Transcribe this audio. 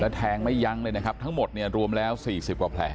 แทงไม่ยั้งเลยนะครับทั้งหมดเนี่ยรวมแล้ว๔๐กว่าแผล